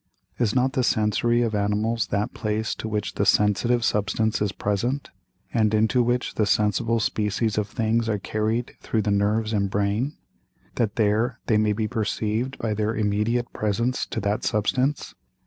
Is not the Sensory of Animals that place to which the sensitive Substance is present, and into which the sensible Species of Things are carried through the Nerves and Brain, that there they may be perceived by their immediate presence to that Substance?